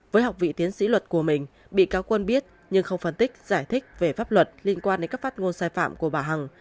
với học vị tiến sĩ luật của mình bị cáo quân biết nhưng không phân tích giải thích về pháp luật liên quan đến các phát ngôn sai phạm của bà hằng